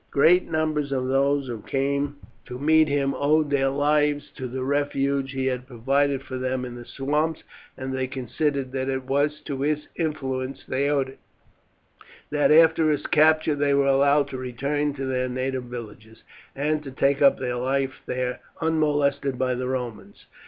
Great numbers of those who came to meet him owed their lives to the refuge he had provided for them in the swamps, and they considered that it was to his influence they owed it, that after his capture they were allowed to return to their native villages, and to take up their life there unmolested by the Romans.